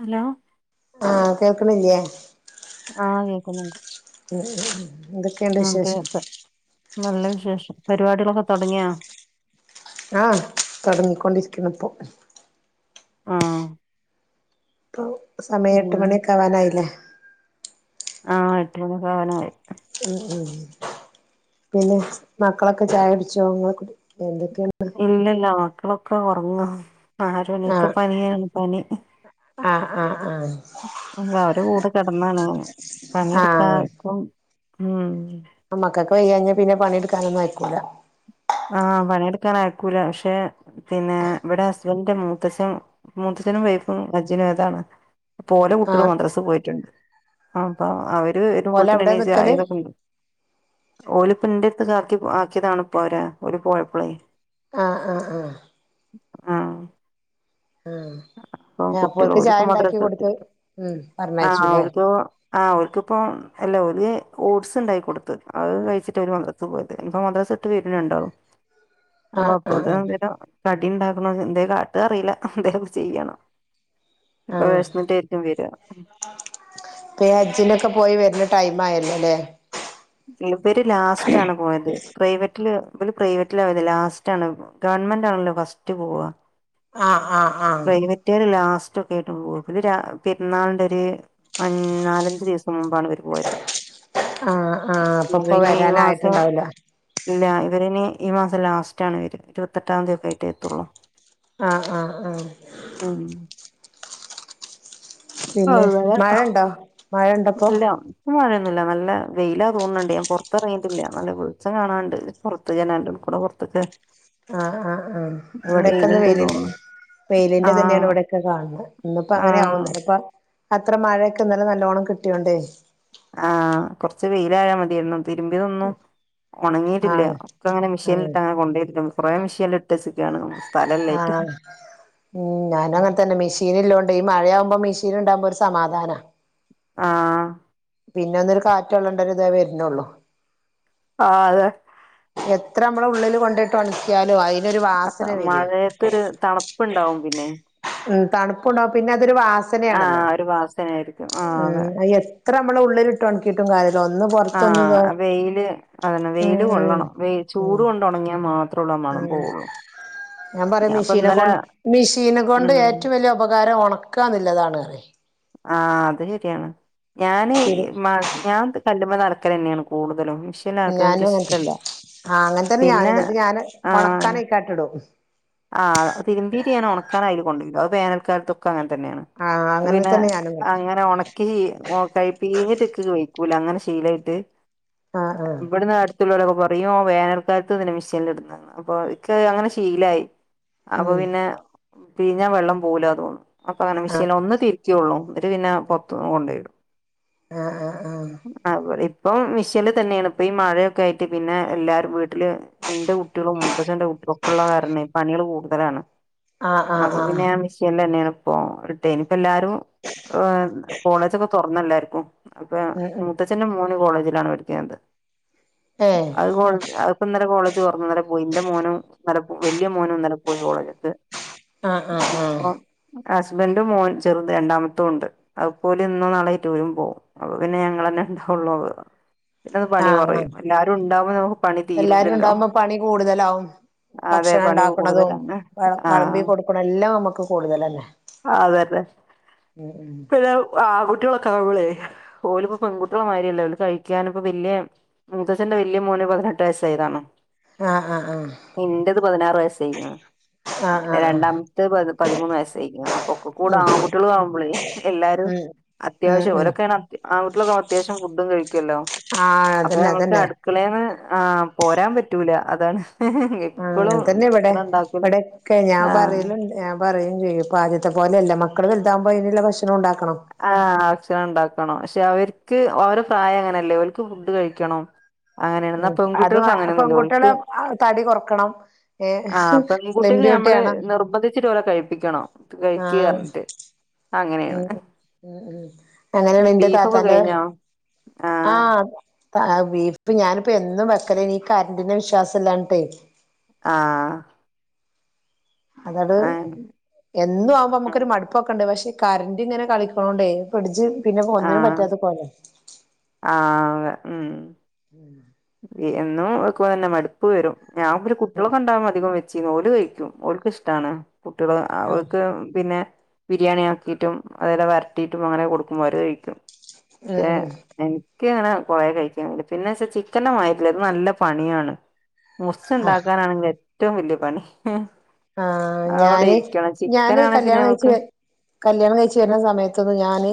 Hello ആഹ് കേക്ക്‌ണില്ലേ ആഹ് കേക്കുന്നുണ്ട് ഹ് ഉം കേക്കാം നല്ല വിശേഷം പരിപാടികളൊക്കെ തൊടങ്യോ ആഹ് തൊടങ്ങിക്കൊണ്ടിരിക്ക്‌ണിപ്പോ ആഹ് സമയെട്ട് പിന്നെ മണിയൊക്കാവാനായിലെ ആഹ് എട്ടുമണിയൊക്കാവാനായി ഉം ഉം പിന്നെ മക്കളൊക്കെ ചായ കുട്ച്ചോ ങ്ങളൊക്കെ എന്തൊക്കെണ്ട് ഇല്ലല്ല മക്കളൊക്കെ ഒറങ്ങ ആരും എണീക്ക ആഹ് പനിയാണ് പനി ആഹ് ആഹ് പുള്ളാരെ കൂടെ കെടന്നാണ് പണിയെട്ക്കാൻ ക്കും ഉം ആഹ് മക്കക്ക്‌ വയ്യാഞ്ഞാ പിന്നെ പണിട്ക്കാനൊന്നും ആയ്ക്കൂല ആഹ് പണീട്ക്കാനായ്ക്കൂല പക്ഷെ പിന്നെ ഇവടെ ഹസ്ബൻഡിന്റെ മൂത്തച്ഛൻ മൂത്തച്ഛനും വൈഫും ഹജ്ജിനോയതാണ് പ്പോ ഓലെ കുട്ടികള് ആഹ് മദ്രസ് പോയിറ്റ്ണ്ട് അപ്പ അവര് ഓല് അവിടെ വരുമ്പോൾത്തിനിനി നിക്കല് ചായിതൊക്കെ ണ്ട് ഓല് പ്പന്റെര്ത്ത്ക്കാക്കി ആക്ക്യതാണ് പ്പവരെ ഓര് പോയപ്പളെ ആഹ് ആഹ് ആഹ് ആഹ് പ്പ ആഹ് അപ്പോൽക്ക് ചായ കുട്ട്യളോട്പ്പോ ഉണ്ടാക്കി മദ്രസ വിട്ട് കൊടുത്ത് വരും ഉം ആ പറഞ്ഞയച്ചുല്ലേ ഓൽക്ക് ആഹ് ഓൽക്കിപ്പോ അല്ല ഓല് ഓട്സ്ണ്ടായി കൊട്ത്ത് അത് കഴിച്ചിട്ടവര് മദ്ര സക്ക് പോയത് ഇപ്പോ മദ്രസ വിട്ട് വരും രണ്ടാളും അപ്പ ആഹ് അപ്പോത്തിനും ആഹ് ആഹ് എന്തേലും കടി ണ്ടാക്കണം എന്തേ കാട്ട്കാ അറീല എന്തേലും ചെയ്യണം ഇപ്പൊ വെശ്ന്നിട്ടേര്ക്കും വര്വാ പ്പോ ഈ ഹജ്ജ് നൊക്കെ പോയി വരുന്ന ടൈം ആയല്ലോ ലെ ഇവര് ലാസ്റ്റാണ് പോയത് പ്രൈവറ്റില് ഇവര് പ്രൈവറ്റിലാ പോയത് ലാസ്റ്റ് ആണ് പോ ഗവൺമെന്റാണല്ലോ ഫസ്റ്റ് പോവാ ആഹ് ആഹ് ആഹ് മറ്റോര് ലാസ്റ്റ് ഒക്കെ ആയിട്ട് പോവ പിന്നെ പെരുന്നാൾന്റെ ഒരു അൻ നാലഞ്ച് ദിവസം മുമ്പാണ് ഇവര് പോയത് ആഹ് ആഹ് അപ്പൊ പ്പൊ അവന് ഈ മാസം വരാനായിട്ടുണ്ടാവൂല ഇല്ല ഇവരിനി ഈ മാസം ലാസ്റ്റാണ് വേരാ ഇരുപത്തട്ടാം ന്തി ഒക്കെ ആയിട്ടെ എത്തൊള്ളൂ ആഹ് ആഹ് ആഹ് മ്മ് പിന്നെ അങ്ങനെ മഴണ്ടോ മഴണ്ടപ്പോ ഇല്ലാ ഇപ്പോ മഴെന്നുല്ല നല്ല വെയിലാ തോന്ണ്ട് ഞാൻ പോറത്ത്റങ്ങി യിട്ടില്ല നല്ല വെളിച്ചം കാണാണ്ട് പോറത്ത് ജനാൽ ന്റെ ഉള്ളുകൂടെ പോറത്ത് ക്ക് ആഹ് ആഹ് ആഹ് ഇവിടെക്കെ ന്ന് വെയില് ണ്ട് തോന്നുന്നു വെയിലിന്റെ തന്നെയാണ് ആഹ് ഇവിടെക്കെ കാണുന്നെ ഇന്ന് പ്പോ അങ്ങനെ ആവൂ ആഹ് ഇപ്പൊ അത്ര മഴയൊക്കെ ഇന്നലെ നല്ലോണം കിട്ടിയോണ്ടേയ് ആഹ് കൊറ്ച്ച് വെയിലായാ മതിയായിരുന്നു തിരുമ്പിയതൊന്നും ഒണങ്ങിയിട്ടില്ല ആഹ് ഒക്കെ അങ്ങനെ ആഹ് മെഷീനിലിട്ട് അങ്ങനെ കൊണ്ടേട്ടിടോള്ളൂ കോറേ മിഷ്യൽ ഇട്ടച്ച് ക്കാണ് ആഹ് മ്മ് ഞാനും അങ്ങനതന്നെ മെഷീൻ ഇല്ലോണ്ട് ഈ മഴയാവുമ്പോ മെഷീൻ ഉണ്ടാക്ബോ ഒരു സമാധാനാ ആഹ് പിന്നെ ഒന്നൊരു കാറ്റ് കോള്ളേണ്ട ഒരു ഇതേ വരുന്നോള്ളൂ ആഹ് അതെ എത്ര മ്മൾ ഉള്ളില് കൊണ്ടയിട്ട് ഒണക്കിയാലും അയി അതാ മഴയത്തോര് തണുപ്പ് ണ്ടാവും പിന്നെ മ്മ് തണുപ്പുണ്ടാവും പിന്നെ അതൊരു വാസനയാണല്ലോ ആഹ് ഒരു വാസനായിരിക്കും ആഹ് മ്മ് അതെ അത്എ ത്ര മ്മൾ ഉള്ളില് ഇ ട്ട് ഒണക്കിട്ടും കാര്യല്ല ഒന്ന് പൊറത്തൊന്ന് തായി ആഹ് വെയില് അതന്നെ വെയില് കൊള്ളണം വെയി ചൂട് കൊണ്ട് ഒണങ്ങിയാ മാത്രള്ളു ആഹ് മണം പോവ ഞാൻ പറയാ മെഷീനെ കൊണ്ട് മെഷീന കൊണ്ട് ഉം ഏറ്റവും വലിയ ഉപകാരം ഒണ ക്കാനുല്ലതാണ് അറിയെ ആഹ് അത് ശരിയാണ് ഞാന് ഇ ശരി മ ഞാൻ കല്ലുമ്മന്ന് അലക്കലെന്നെണ് കൂടുതലും മിഷ് മിഷീനകത്ത് എനിക്ക് ഞാനും അങ്ങനത്തെ ഇഷ്ടല്ല ആഹ് പിന്നെ ആഹ് റ്റാറ്റടും ആഹ് തിരുബീറ്റ് ഞാന് ഒണക്കാന് അയില് കൊണ്ടയിടും അത് വേനൽക്കാലത്തൊക്കെ അങ്ങനെ തന്നെയാണ് ആഹ് ഇക്ക് അങ്ങനെ പിന്നെ തന്നെ ഞാനും കാട്ടും. അങ്ങനെ ഒണ ക്കി കൈ പീഞ്ഞിട്ട് ഇക്ക് വെയ്ക്കൂല അങ്ങനെ ശീലായിട്ട് ആഹ് ആഹ് ഇവിട്ന്ന് അട് ടുത്തുള്ളൊരക്കെ പറയും വേനൽക്കാലത്ത് എന്തിനാ മെഷീൻ ല് ഇടുന്നെന് അപ്പൊ ഇക്ക് അങ്ങനെ ശീലായി അപ്പൊ ഉം പിന്നെ പീഞ്ഞാ വെള്ളം പോവൂല തോന്നും അപ്പൊ അങ്ങനെ മിഷ്യൻ ല് ഒന്ന് തിരിക്കൊള്ളൂ എന്നിട്ട് പിന്നാ പൊറത്ത് കൊണ്ടോയിടും ആഹ് ആഹ് ആഹ് അഹ് ഇവിടെ ഇപ്പം മിഷ്യൽ തന്നെണ് ഇപ്പം ഈ മഴയൊക്കെ ആയിട്ട് പിന്നെ എല്ലാരും വീ ട്ടിൽ ന്റെ കുട്ട്യാളും മൂത്തശന്റെ കുട്ട്യാളും ഒക്കെ ഉള്ള കാരണെ പണികൾ കൂടുതലാണ് ആഹ് ആഹ് ആഹ് അപ്പൊ പിന്നെ ആഹ് ഞാൻ മിഷ്യൻ ല്ലന്നെണ് പ്പോ ഇട്ടെ ഇനിപ്പ എല്ലാ രും ഹേ കോളേജോക്കെ തൊറന്നെല്ലാര്ക്കും അപ്പൊ ഉം ഉം മൂത്തച്ച ന്റെ മോനു കോളേജിലാണ് പഠിക്ക്ണത് ഏഹ് അ അത് ഇപ്പ ഇന്നലെ കോളേജ് തൊറന്നു പോയി ഇന്റെ മോനും വെല്യ മോനും ഇന്നലെ പോയി കോളേജ്ക്ക് ആഹ് ആഹ് ആഹ് ഇനിപ്പോ ഹസ്ബൻറും മോൻ ചെറുത് രണ്ടാമത്തും ഉണ്ട് അത് പോലാ ഇന്നും നളെയിട്ട് വരും പോകും അപ്പൊ പിന്നെ ഞങ്ങളന്നെ ഇണ്ടാവൊള്ളൂ പിന്നെ പണി ആഹ് ആഹ് കുറയും എല്ലാരും ഉണ്ടാവുമ നമുക്ക് പണി എല്ലാരും തീരൂലല്ലോ ഉണ്ടാവുമ്പോ പണി കൂടുതലാവും അതെ ഭക്ഷണം പണി ഉണ്ടാക്കണതും കൂടുതലാണ് വ വിളമ്പി ആഹ് കൊടുക്കണ എല്ലാം നമ്മുക്ക് കൂടുതലന്നെ വേറെന്ന ആൺകുട്ടികൾ ഒക്കെ ആകുമ്പോളെ ഓലിപ്പോ പെൺകുട്ടികളെ മാരിആല്ലല്ലോ കഴിക്കാനിപ്പ വല്യ മുത്തച്ഛന്റെ വലിയ മോന് പതിനെട്ട് വയസ്സയതാണ് ആഹ് ആഹ് ആഹ് പതിനാറ് വയസ്സയിങ്ങ ആഹ് പിന്നെ ആഹ് ആഹ് രണ്ടാമത്തെ പതി പതിമൂന്ന് വയസ്സായിരിക്കും അപ്പൊ ഒക്കെ കൂടെ ഉം ആൺകുട്ടികൾ ആവുമ്പോളേ എല്ലാരും ഉം അത്യാവശ്യം ഉം ഉം ഓരൊക്കെയണ് ആദ്യ വീട്ടിലൊക്കെ അത്യാവശ്യം ഫുഡും കഴിക്കുവാല്ലോ ആഹ് അപ്പൊ അതന്നെ നമുക്ക് അതന്നെ അടു ടുക്കളേന്ന് ആ പോരാൻ പറ്റൂല അതാണ് ആഹ് അങ്ങനെ തന്നെ ഇവിടെ ഭക്ഷണം ഉണ്ടാക്കലും ഇവിടൊക്കെ ഞാൻ ആ പറലുണ്ട് ഞാൻ പറയും ചെയ്യും ഇപ്പാ ആദ്യത്തെ പോലെ അല്ല മക്കൾ വലുതാൻ പോ അതിനുള്ള ഭക്ഷണം ഉണ്ടാക്കണം ആ അക്ഷര ഉണ്ടാക്കണം പക്ഷെ അവര്ക്ക് അവര പ്രായം അങ്ങനല്ലേ ഓല്ക്ക് ഫുഡ് കഴിക്കണം അങ്ങനെയാണ് എന്നാ ആ അതു പെൺകുട്ടികൾക്ക് അ അങ്ങനെയൊന്നുല്ല ഓൽക്ക് പെൺകുട്ടികളെ ആ തടി കൊറക്കണം ഏ സ്ലിം ബ്യൂട്ടി ആണോ ഇച്ചിരുടെ കഴിപ്പിക്കണോ കഴിക്ക ആഹ് പറഞ്ഞിട്ട് ഉം അങ്ങനെയാണ് ഉം ഉം അങ്ങനെ നിന്റെ ബീഫൊക്കെ താത്താന്റെ കഴിഞ്ഞോ ആ ആഹ് ആപ്പ വീർപ്പ് ഞാനിപ്പോ എന്നും വെക്കലേ നീ കരടിനെ വിശ്വാസം ഇല്ലാഞ്ഞിട്ടേ ആഹ് അതോട് എന്നും ആവുമ്പോ ഉം. നമുക്കൊരു മടു പ്പൊക്കെ ഉണ്ട് പക്ഷെ കറട് ഇങ്ങനെ കളിക്കണോണ്ടേ ഫ്രിഡ്ജ് പിന്നെ ആ ഒന്നിനും പറ്റാത്ത പോലെ ആ അതെ ഉം ഉം ഇ എന്നും വെക്ക തന്നെ മടുപ്പ് വരും ഞാൻ ഒരു കുട്ടികളെ കണ്ടാ അധികം വെച്ചീ ഓല് കഴിക്കും ഓല്ക്ക് ഇഷ്ടണ് കുട്ടികള് ആഹ് അവർക്ക് പിന്നെ ബിരിയാണി ആക്കിട്ടും അതെല വരട്ടിട്ടും അങ്ങനെ കൊടുക്കുമ്പോര് കഴിക്കും ഉം പക്ഷെ ഉം എനിക്ക് ഇങ്ങനെ കുഴ കഴിക്കാൻവേണ്ടി പിന്നെച്ചാ ചിക്കന്റെ മാരില്ല ഇത് നല്ല പണിയാണ് മുസ് ആഹ് ഉണ്ടാക്കാനാണെങ്കിൽ ഏറ്റവും വല്യ പണി ഉം ആ ഞാന് ഞാന് പിന്നെ കല്യാണം കഴിച്ച് നമുക്ക് കല്യാണം കഴിച്ചു വരുന്ന സമയത്തന്ന് ഞാന്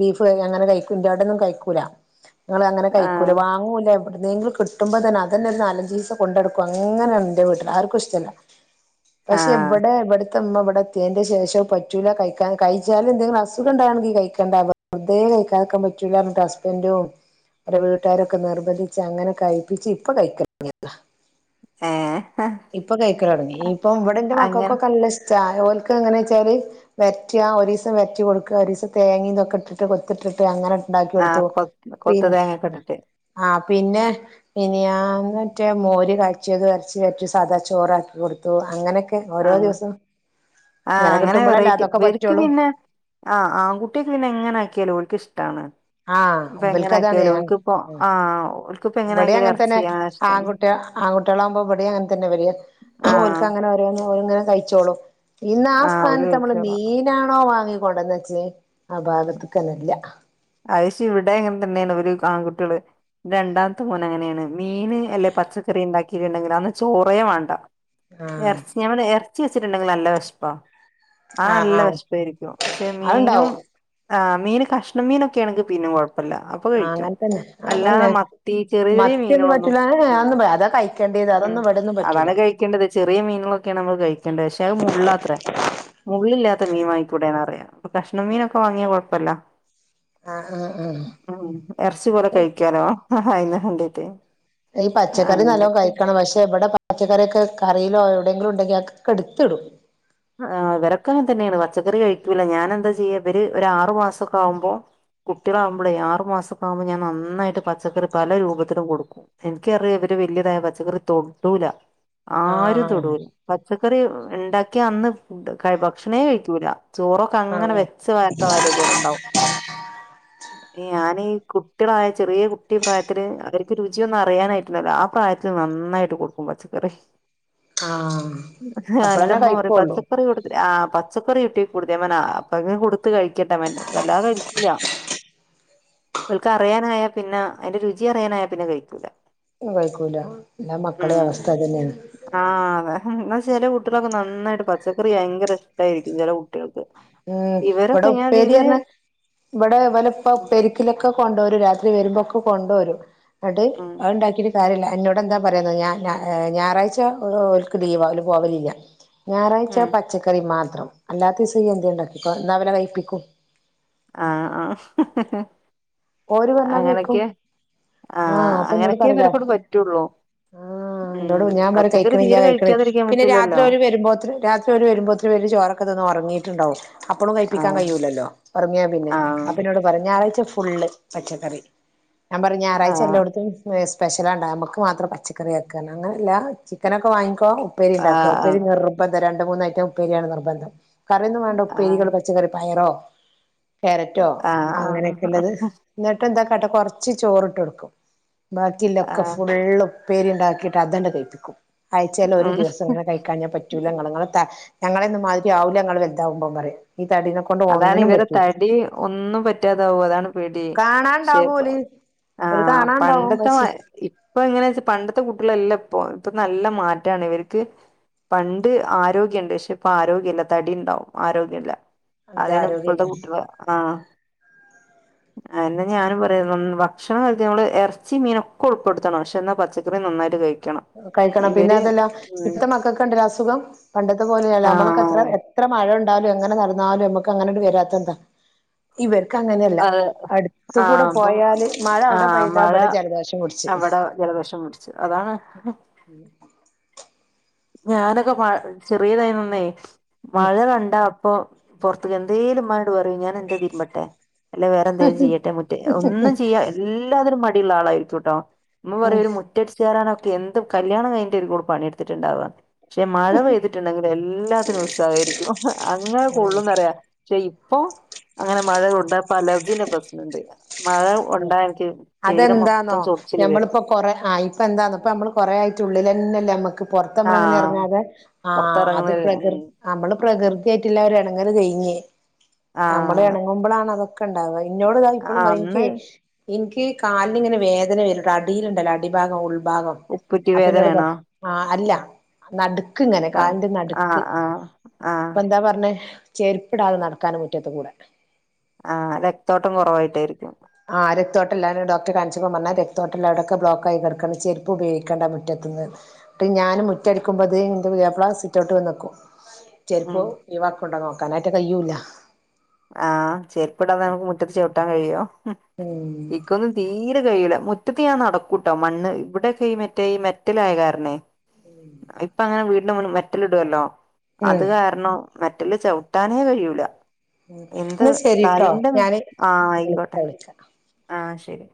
ബീഫ് അങ്ങനെ കഴിക്കൂ ഇവടൊന്നും കഴിക്കൂല നിങ്ങ അങ്ങനെ കഴിക്കൂല ആഹ് വാങ്ങൂല ഉണ്ടെനെനെ കിടുമ്പോതന്നെ അതന്നെ ‌ ഒരു നാലഞ്ച് ദിവസ കൊടുടക്കും അങ്ങനണ് എൻറെ വീട്ടിൽ ആർക്കും ഇഷ്ടല്ല പക്ഷെ ആഹ് ഇവിടെ എവിടെ അമ്മ ഇവിടെ എത്തിയന്റെ ശേഷം പറ്റൂല കഴിക്കാൻ കഴിച്ചാലും എന്തെങ്കിലും അസുഖണ്ടണെങ്കിൽ കഴിക്കേണ്ടന്ന് വെറുതെ കൈക്കാനോക്കെ പറ്റൂല്ല പറഞ്ഞിട്ട് ഹസ്പെന്റും എന്റെ വീട്ടുകാരൊക്കെ നിർബന്ധിച്ച് അങ്ങനെ കഴ്പ്പിച്ച് ഇപ്പൊ കഴിക്കാം ഏഹ് ഇപ്പൊ കഴിക്കല് തുടങ്ങി ഇനി ഇപ്പൊ ഇവിടെന്റെ അങ്ങനെ മക്കക്കൊക്കെ നല്ല ഇഷ്ട അവഓൽക്ക് എങ്ങനെ വെച്ചാല് വരറ്റിക ഒരിസം വരചറ്റി കൊടുക്ക ഒരു ദിവസം തേങ്ങയുംഇതൊക്കെ ഇട്ടിട്ട് കൊത്തിട്ടിട്ട് അങ്ങനെ ഉണ്ടാക്കി ആഹ് കൊടുത്തു കൊ കൊത്ത പിന്നെ തേങ്ങൊക്കെ ഇട്ടിട്ട് ആ പിന്നെ മിനിയാനാതെ മോര് കച്ചിയാത് വരച്ച് സാധാ ചോറാക്കി കൊടു ത്തു അങ്ങനെഒക്കെ ഓരോ ആഹ് ദിവസം ആഹ് അങ്ങനെ കിട്ടുമ്പോഴല്ലേ അതൊക്കെ പറ്റുള്ളൂ ആ ആൺകുട്ടിക്ക് പിന്നെ എങ്ങനെ ആക്കിയാലോ ഒല്ക്ക് ഇഷ്ടാണ് ആഹ് ഇപ്പ എങ്ങനെ ഇവൽക്കതാണ് ആക്കിയാലും ഒലിക്കിപ്പോ ആ ഓല്ക്കിപ്പ എങ്ങനെ ആക്കിയാലും എറച്ചി ചെയ്യാന ഇഷ്ടന്ന് ട്ടാ ആൺകുട്ടിളാവുമ്പം ഇവടിം അങ്ങത്തന്നെ ഇവര് ഓല്ക്ക് ആഹ് അങ്ങനെ ഓരോന്ന് ഓരോന്ന് കഴിച്ചോളും ഇന്നാ ആ ആഹ് ഓല് സ്ഥാനത്ത് അമ്മള് കഴിച്ചോളും അത് മീനാണോ വാങ്ങി കൊണ്ടേന്നച്ചേ ആ ഭാഗത്ത്ക്കന്നെ ഇല്ലാ അയ്ശ് ഇവടെ അങ്ങത്തന്നേണ് ഇവര് ആൺകുട്ടിയള് രണ്ടാമത്തെ മോൻ അങ്ങനേണ് മീൻ അല്ലെ പച്ചക്കറി ഇണ്ടാക്കിട്ട് ഇണ്ടെങ്കില് അന്ന് ചോറേ വാണ്ട ആഹ് എറച്ചി ഞാൻ പർഞ്ഞെ എറച്ചി വെച്ചിട്ട്ണ്ടെങ്കി നല്ല വെശ്പ്പാ ആഹ് നല്ല വെശ്പ്പായിരിക്കും പക്ഷേ മീനും അത്ണ്ടാവും ആഹ് മീന് കഷ് ണ മീനൊക്കേണെങ്കി പിന്നെ കൊഴപ്പല്ല അ പ്പ ആ കഴിക്കും. അങ്ങനെ തന്നെ അല്ലാതെ അതന്നെ മത്തി ചെറിയ ചെറിയ മത്തിയൊന്നും മീനുകളൊന്നും പറ്റൂല ഏ ഉം അതൊന്നും അതാ കഴിക്കേണ്ടിയത് അ ഉം അതാണ് കഴിക്കേണ്ടത് ചെറിയ മീനുകളൊക്കേണ് നമ്മള് കഴിക്കേണ്ടത് പക്ഷേ അഹ് മുള്ളാത്രെ മുള്ളില്ലാത്ത മീൻ വാങ്ങിക്കൂടേന്നാറിയാ അപ്പൊ കഷ്ണം മീനൊക്കെ വാങ്ങിയാ കൊഴപ്പല്ല ആഹ് ആഹ് ആഹ് ഉം എറച്ചി പോല കഴിക്കാലോ ആഹ് അയിന് വേണ്ടിട്ടെ ഈ പച്ചക്കറി നല്ലോം കഴി ക്കണം പക്ഷേ ഇവടെ പച്ചക്കറിയൊക്കെ കറീലോ എവിടേങ്കിലും ഉണ്ടെങ്കില് അതൊക്കെ ഇട്ത്തിടും ആഹ് ഇവരെക്കെ അങ്ങത്തന്നേണ് പച്ചക്കറി കഴിക്കൂല്ല ഞാനെന്താ ചെയ്യാ ഇവര് ഒരു ആറു മാസൊക്കെ ആവുമ്പോ കുട്ടിയളാവുമ്പളെ ആറ് മാസക്കാവുമ്പോ ഞാൻ നന്നായിട്ട് പച്ചക്കറി പല രൂപത്തിലും കൊടുക്കും എന്ക്കറിയാ ഇവര് വെല്ല്യതായാ പച്ചക്കറി തൊടൂല ആരും ആഹ് തൊടൂല പച്ചക്കറി ഉം ഇണ്ടാക്കിയന്ന് ഫുഡ് കഴി ഭക്ഷണേ കഴിക്ക്യൂലാ ചോറൊക്കെ അങ്ങനെ ആഹ് വെച്ച് [unintelligible] പോലെ ഇണ്ടാവും ഈ ഞാനീ കു ട്ടിളായ ചെറിയ കുട്ടി പ്രായത്തില് അവർക്ക് രു ചിയൊന്നും അറിയാനായിട്ട്ണ്ടാവുല്ലാ ആ പ്രായത്തില് നന്നായിട്ട് കൊടുക്കും പച്ചക്കറി ആഹ് അപ്പളന്നെ കഴിക്കോള്ളു ക്കറി കൊടുത്തിട്ട് ആഹ് പച്ചക്കറി ഇട്ടി കൊടുത്തേമ്മനാ അപ്പൊ അങ്ങനെ കൊടുത്ത് കഴിക്കട്ടെ [unintelligible] വല്ലാതെ കഴിക്കൂലാ ഓല്ക്ക് അറിയാനായാ പിന്നെ അയിന്റെ രുചി അറിയാനായാ പിന്നെ കഴിക്കൂല ന്നും കഴിക്കൂല എല്ലാ മക്കളെ ഉം അവസ്ഥ അതന്നേണ് ആഹ് അതെ എന്നാ ചെലെ കുട്ടിയളെക്കെ നന്നായി ട്ട് പച്ചക്കറി ഭയങ്കര ഇഷ്ടായിരിക്കും ചെലെ കുട്ടികൾക്ക് ഉം ഇവടെ ഇവരൊക്കെ ഞാൻ ഉപ്പേരി ഇവര് എന്നാ ഇവടെ ഇവലെ ഉപ്പ ഉപ്പേരി ക്ക്ലൊക്കെ കൊണ്ടോരും രാത്രി വെരുമ്പോക്കെ കൊണ്ടോരും അട് ഉം അഹ് ഇണ്ടാക്കീട്ട് സാരല്ല എന്നോടെന്താ പറയാന്നോ ഞാൻ ഞാ ഏഹ് ഞായറാഴ്ച [unintelligible] ഓല്ക്ക് ലീവാ ഓല് പോവല്ലില്ല ഞായറാഴ് ഉം പച്ചക്കറി മാത്രം അല്ലാത്തീസം ഇഞ്ഞെന്തേ ഇണ്ടാക്കിക്കോ എന്നാ ഇവലെ കഴിപ്പിക്കും ആഹ് ആഹ് ഓര് പറഞ്ഞാ കേക്കും അങ്ങനെക്കെ ആഹ് അപ്പൊ എന്നോട് അങ്ങനെക്കെ പറയല ഇവരെക്കൊണ്ട് പറ്റോള്ളു ആഹ് എന്നോട് ഞാൻ പറിം കഴിക്ക്ണില്ല കഴിക്ക്ണ് കഴിക്കാതിരിക്കാൻ പിന്നെ രാത്രി പറ്റൂലല്ലോ ഓല് വരുമ്പോത്തിന് രാത്രി ഓര് വെരുമ്പോത്തിന് ഇവര് ചോറൊക്കെ തിന്ന് ഒറങ്ങീട്ട്ണ്ടാവും അപ്പളും കഴിപ്പിക്കാൻ ആഹ് കഴിയൂല്ലല്ലോ ഒറങ്ങിയാ പിന്നെ ആഹ് അപ്പം ഇന്നോട് പറിം ഞായറാഴ്ച ഫുള്ള് പച്ചക്കറി ഞാൻ പറിം ഞായറാഴ്ച ആഹ് എല്ലോട്ത്തും വെ സ്പെഷ്യലാണ്ടാവ അമ്മക്ക് മാത്രം പച്ചക്കറിയാക്കാന്നാ അങ്ങനല്ലാ ചിക്കനൊക്കെ വാങ്ങിക്കോ ഉപ്പേരി ഇണ്ടാക്കാ ഉപ്പേരി ആഹ് നിർബന്ധാ രണ്ട് മൂന്നയിറ്റം ഉപ്പേരിയാണ് നിർബന്ധം കറിയൊന്നും വാണ്ട ഉപ്പേരികൾ ആഹ് പച്ചക്കറി പയറോ ക്യാരറ്റോ ആഹ് അങ്ങനെക്കെ ആഹ് ഇള്ളത് ഇന്നിട്ട് എന്താ കാട്ടാ കൊറച്ച് ചോറ്ട്ടൊട്ക്കും ബാക്കില്ലൊക്കെ ആഹ് ഫുള്ളും ഉപ്പേരി ഇണ്ടാക്കീട്ട് അതന്നെ കഴിപ്പിക്കും ആഴ്ചേല് ഒരു ദിവസം ഉം ഇങ്ങനെ കഴിക്കാഞ്ഞ പറ്റൂല ഇങ്ങള് ഇങ്ങളെ ത ഞങ്ങളെയൊന്നും മാതിരി ആവുല്ലാ ഇങ്ങള് വലുതാവുമ്പോ പറിം ഈ തടിനെ കൊ അതാണ് ഇവരെ തടി ഒന്നും പറ്റാതാവും അതാണ് പേടി കാണാണ്ടാവും ഓല് ഷേപ്പാവും ഓല് ആഹ് കാണാണ്ടാവും പണ്ടത്തെ പക്ഷെ മാരി ഇ ഇപ്പൊ എങ്ങന വെച്ച പണ്ടത്തെ കുട്ടികളല്ല ഇപ്പൊ ഇപ്പൊ നല്ല മാറ്റാണ് ഇവർക്ക്. പണ്ട് ആരോഗ്യം ഉണ്ട് പക്ഷെ ഇപ്പ ആരോഗ്യ ഇല്ല തടി ഉണ്ടാവും ആരോഗ്യം ഇല്ല. നല്ല അതെയാണ് ഇപ്പോഴത്തെ ആരോഗ്യല്ലേ കുട്ടികള് ആഹ് [unintelligible] അതന്നെ ഞാനും പറയാ ഭക്ഷണം കഴിക്ക നമ്മള് ഇറച്ചി മീനൊക്കെ ഉൾപ്പെടുത്തണം പക്ഷെ എന്നാ പച്ചക്കറി നന്നായിട്ട് കഴി കഴിക്കണം പിന്നെ അതല്ല ഇപ്പത്തെ മക്കക്കിണ്ടല്ലോ അസുഖം പണ്ടത്തെ പോലെയല്ല നമ്മളൊക്കെ എത്ര ആഹ് ത്ര മഴ ഇണ്ടാവലും എങ്ങനെ നടന്നാലും നമുക്ക് അങ്ങനെ വരാത്തെന്താ ഇവർക്ക് അങ്ങനെയല്ല. അതെ അടുത്ത് കൂടെ ആഹ് അപ്പം പോയാല് മഴ അവിട ആഹ് പെയ്താ മഴ ഇവിട ജലദോഷം പിടിച്ച്. അവിടെ ജലദോഷം പിടിച്ച് അതാണ്. ഞാനൊക്കെ പ ചെറിയതായിരുന്നുന്നേ ഉം മഴ കണ്ട അപ്പ പ്പോ പുറത്ത്ക്ക് എന്തേലും ഇമ്മനോട് പറയും ഞാൻ എന്റെ തിരുമ്പട്ടെ? അല്ലെ വേറെ എന്തെലും ചെയ്യട്ടെ മുറ്റേ ഒന്നും ചെയ്യ എല്ലാത്തിനും മടിയുള്ള ആളായിരിക്കുട്ടോ. മ്മ ഉം പറയും ഒരു മുറ്റടിച്ചാരാനൊക്കെ എന്ത് കല്യാണം കഴിഞ്ഞിട്ട് ഒരു കൂടെ പണി എടുത്തിട്ടുണ്ടാവാ പക്ഷെ മഴ പെയ്തിട്ടുണ്ടെങ്കിൽ എല്ലാത്തിനും ഉത്സാഹയിരിക്കും അങ്ങനെ കൊള്ളൂന്നറിയ. ക്ഷെ ഇപ്പൊ അങ്ങനെ മഴ കൊണ്ട ഇപ്പ അലർജീന്റെ പ്രശ്നിണ്ട് മഴ കൊണ്ടായനിക്ക് ശരീരം അതെന്താന്നോ മൊത്തം ചൊറിച്ചില് വരും. ഞമ്മളിപ്പോ കൊറെ ആഹ് ഇപ്പൊ എന്താന്ന ഇപ്പ നമ്മള് കൊറേ ആയിട്ട് ഉള്ളിലന്നെല്ലേ നമുക്ക് പൊറത്തമ്മളങ്ങനെ ആഹ് ഇറങ്ങാതെ ആഹ് അത് പുറത്തിറങ്ങുന്ന പ്രകൃതി നമ്മള് പ്രകൃതി ആയിട്ടില്ലാരു ഇണങ്ങല് കയിഞ്ഞ് നമ്മള് ആഹ് ഇണങ്ങുമ്പോളാണ് അതൊക്കെ ക്കിണ്ടാവ എന്നോട് ഞാൻ ഇപ്പളും ആഹ് പറയും അന്ന് ഇൻക്ക് കാലിൽ ഇങ്ങനെ വേദന വരുട്ട അടീലുണ്ടല്ലോ അടി ഭാഗം ഉൾ ഭാഗം. ഉപ്പുറ്റി അപ്പ ഇന്നോട് വേദനയാണോ ആഹ് അല്ല. നടുക്ക് ഇങ്ങനെ കാലിന്റെ നടുക്ക് ആഹ് ആഹ് ആഹ് ഇപ്പൊ എന്താ പറഞ്ഞേ? ചെരിപ്പിടാതെ നടക്കാനും മുറ്റത്ത് കൂടെ. ആഹ് രക്തോട്ടം കുറവായിട്ടായിരിക്കും. ആഹ് രക്തോട്ടില്ലാണ്ട് ഡോക്റെ കാണിച്ചപ്പോ പറഞ്ഞ് അത് രക്തോട്ടില്ല അവിടെയക്കെ ബ്ലോക്കായി കെടക്കാണ് ചെരുപ്പ് ഉപയോഗിക്കണ്ട മുറ്റത്തുന്നറഞ്. ട്ട് ഞാൻ മുറ്റ അടിക്കുമ്പോത് ഇൻ്റെ പുയ്യാപ്ല സിറ്റോട്ട് വന്നിക്കും ഉം ചെരുപ്പ് ഒയ്‌വാക്കുണ്ടോ നോക്കാൻ അയ്നതായിറ്റ് കയ്യൂല്ല. ആഹ് ചേരുപ്പിടാതെ നമുക്ക് മുറ്റത്ത് ചവിട്ടാൻ കഴിയോ ഇക്കൊന്ന് തീരെ കൈയ്യുല മുറ്റത്ത് ഞാൻ നടക്കൂട്ടോ മണ്ണ് ഇവിടെയൊക്കെ ഈ മറ്റേ ഈ മെറ്റലായകാരണെ ഇപ്പ അങ്ങനെ വീട്ടിന്റെ മുന്ന് മെറ്റലിടുല്ലോ അത് ഉം കാരണം മെറ്റല് ചവിട്ടാനേ കഴിയൂല. എന്ത് എന്നാ ശരിട്ടോ തല്ണ്ട് ഞാന് ആഹ് വിളിക്ക ആയിക്കോട്ടെ വിളിക്ക ആഹ് ശരി.